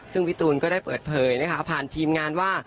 ซึ่งพี่ตูนก็ได้เปิดเผยนะคะผ่านทีมงานว่า